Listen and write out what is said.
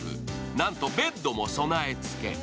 なんと、ベッドも備えつけ。